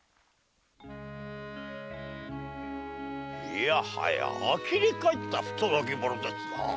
いやはやあきれ返った不届き者ですな。